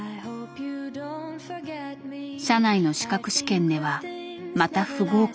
社内の資格試験ではまた不合格。